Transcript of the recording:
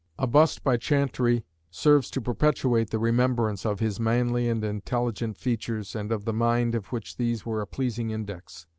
"A bust by Chantrey serves to perpetuate the remembrance of his manly and intelligent features, and of the mind of which these were a pleasing index."